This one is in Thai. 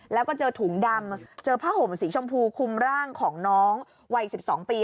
แล้วก็เจอถุงดำเจอผ้าห่มสีชมพูคุมร่างของน้องวัย๑๒ปี